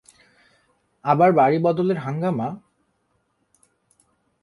আবার বাড়ি বদলের হাঙ্গামা?